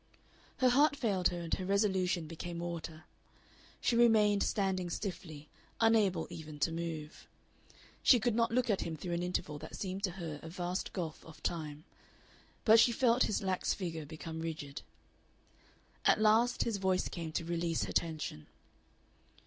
Her heart failed her and her resolution became water. She remained standing stiffly, unable even to move. She could not look at him through an interval that seemed to her a vast gulf of time. But she felt his lax figure become rigid. At last his voice came to release her tension.